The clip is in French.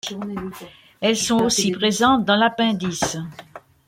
Elles sont aussi présentes dans l'appendice.